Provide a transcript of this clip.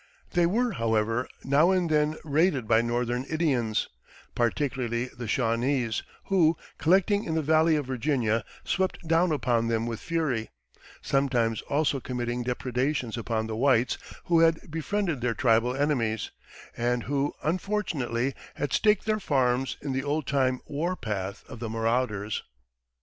They were, however, now and then raided by Northern Indians, particularly the Shawnese, who, collecting in the Valley of Virginia, swept down upon them with fury; sometimes also committing depredations upon the whites who had befriended their tribal enemies, and who unfortunately had staked their farms in the old time war path of the marauders.